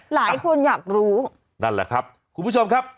หลายคนอยากรู้นั่นแหละครับคุณผู้ชมครับ